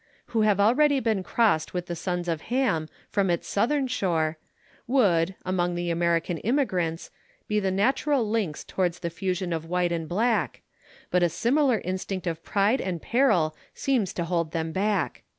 who have already been crossed with the sons of Ham from its southern shore, would, among the American immigrants, be the natural links towards the fusion of white and black, but a similar instinct of pride and peril seems to hold them back.